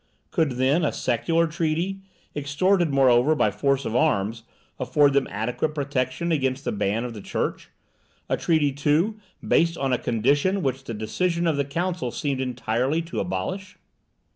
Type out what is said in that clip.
Could, then, a secular treaty, extorted moreover by force of arms, afford them adequate protection against the ban of the church; a treaty, too, based on a condition which the decision of the Council seemed entirely to abolish?